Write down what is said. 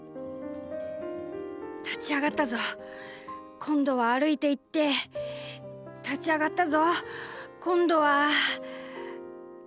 「立ち上がったぞ今度は歩いていって立ち上がったぞ今度は」。